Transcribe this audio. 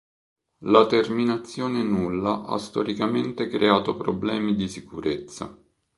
La terminazione nulla ha storicamente creato problemi di sicurezza.